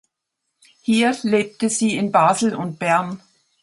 Hier lebte sie in Basel und Bern.